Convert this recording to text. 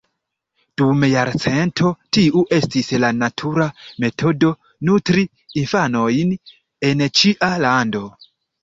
Dum jarcentoj tiu estis la natura metodo nutri infanojn en ĉia lando.